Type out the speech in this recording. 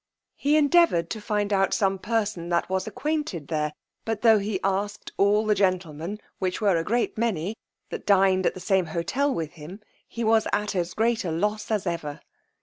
He endeavoured to find out some person that was acquainted there; but tho' he asked all the gentlemen, which were a great many, that dined at the same Hotel with him, he was at as great a loss as ever.